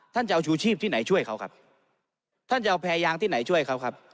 จะเอาชูชีพที่ไหนช่วยเขาครับท่านจะเอาแพรยางที่ไหนช่วยเขาครับ